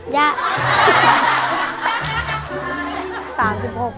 ยาก